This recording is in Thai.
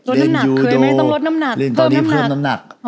ลดน้ำหนักเคยไหมต้องลดน้ำหนัก